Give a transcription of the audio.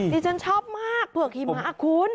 ฉันชอบมากเผือกหิมะคุณ